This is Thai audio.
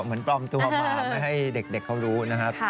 เหมือนปลอมตัวมาไม่ให้เด็กเขารู้นะครับ